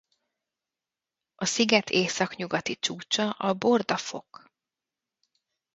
A sziget északnyugati csúcsa a Borda-fok.